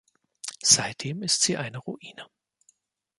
Seitdem ist sie eine Ruine.